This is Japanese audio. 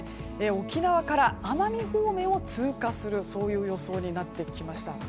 沖縄から奄美方面を通過する予想になってきました。